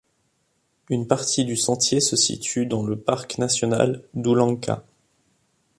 Une partie du sentier se situe dans le Parc national d'Oulanka.